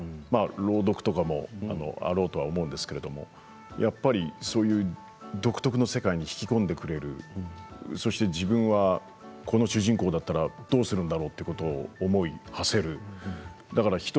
朗読とかもあろうかと思うんですけれどやっぱりそういう独特の世界に引き込んでくれるそして自分は、この主人公だったらどうするんだろうということを思いをはせる１人